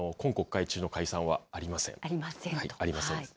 ありませんと。